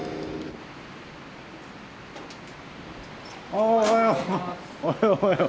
あおはよう。